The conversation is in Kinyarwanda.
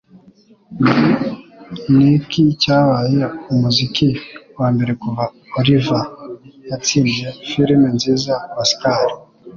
Muri Niki cyabaye Umuziki wa mbere kuva "Oliver" Yatsindiye Filime nziza Oscar?